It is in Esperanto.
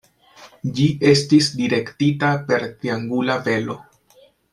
Ĝi estis direktita per triangula velo.